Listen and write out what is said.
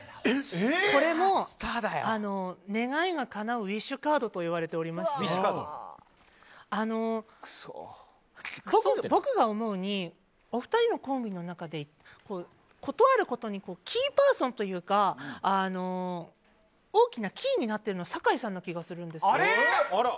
これも願いがかなうウィッシュカードと呼ばれてまして僕が思うにお二人のコンビの中でことあるごとにキーパーソンというか大きなキーになっているのは酒井さんな気がするんです。